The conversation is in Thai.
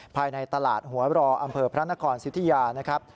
ภายในตลาดหัวรออำเภอพระนครสิทธิยานะครับ